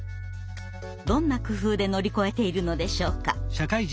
どんな工夫で乗り越えているのでしょうか。